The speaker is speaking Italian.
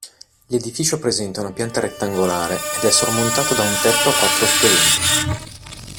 L'edificio presenta una pianta rettangolare ed è sormontato da un tetto a quattro spioventi.